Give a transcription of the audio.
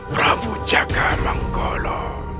prabu jaga mangkolo